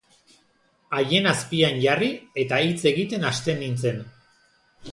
Haien azpian jarri, eta hitz egiten hasten nintzen.